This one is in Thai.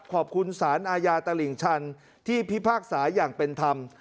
ขอบคุณสารอาญาตลิ่งชันที่พิพากษาอย่างเป็นธรรม